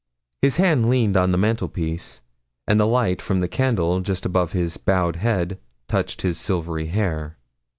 His hand leaned on the mantelpiece, and the light from the candle just above his bowed head touched his silvery hair.